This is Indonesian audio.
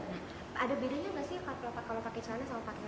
nah ada bedanya nggak sih kalau pakai celana sama pakai